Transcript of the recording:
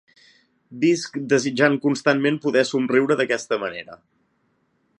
Visc desitjant constantment poder somriure d'aquesta manera.